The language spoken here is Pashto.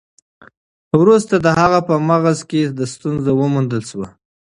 وروسته د هغه په مغز کې ستونزه وموندل شوه.